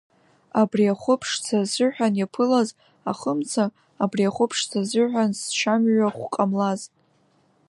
Абри ахәы ԥшӡа азыҳәан иаԥылаз ахымца, абри ахәы ԥшӡа азыҳәан зчамҩахә ҟамлаз.